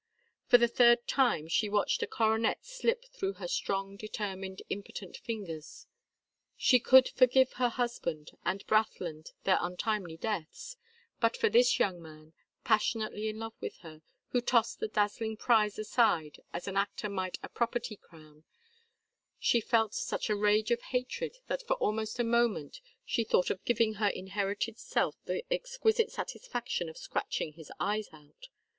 For the third time she watched a coronet slip through her strong determined impotent fingers. She could forgive her husband and Brathland their untimely deaths, but for this young man, passionately in love with her, who tossed the dazzling prize aside as an actor might a "property crown," she felt such a rage of hatred that for almost a moment she thought of giving her inherited self the exquisite satisfaction of scratching his eyes out.